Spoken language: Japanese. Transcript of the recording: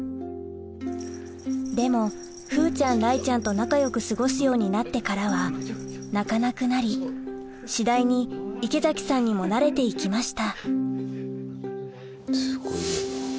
も風ちゃん雷ちゃんと仲よく過ごすようになってからは鳴かなくなり次第に池崎さんにもなれて行きました